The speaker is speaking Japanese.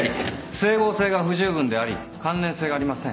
整合性が不十分であり関連性がありません。